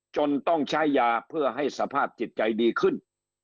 จนต้องใช้ยาเพื่อให้สภาพจิตใจดีขึ้น